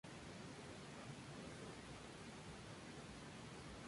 Su actividad artística comenzó con la actuación.